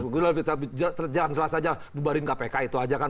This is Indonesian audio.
gue lebih terjang jelas aja bubarin kpk itu aja kan